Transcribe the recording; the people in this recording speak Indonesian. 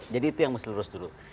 jadi itu yang mesti lurus dulu